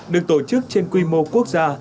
được tổ chức trên quy mô quốc gia